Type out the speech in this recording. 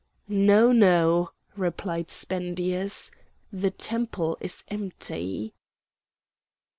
"No, no," replied Spendius, "the temple is empty."